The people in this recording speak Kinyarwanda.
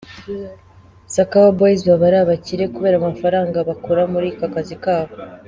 Sakawa Boys baba ari abakire kubera amafaranga bakura muri aka kazi kabo.